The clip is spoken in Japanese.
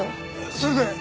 それで？